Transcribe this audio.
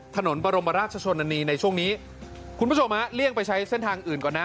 ถนนบรมราชชนนานีในช่วงนี้คุณผู้ชมฮะเลี่ยงไปใช้เส้นทางอื่นก่อนนะ